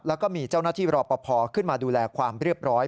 แล้วก็มีเจ้าหน้าที่รอปภขึ้นมาดูแลความเรียบร้อย